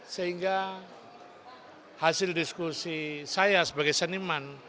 sehingga hasil diskusi saya sebagai seniman